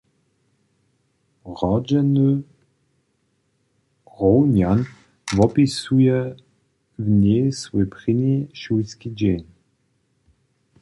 Rodźeny Rownjan wopisuje w njej swój prěni šulski dźeń.